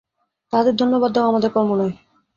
তাঁহাদের ধন্যবাদ দেওয়া আমাদের কর্ম নয়।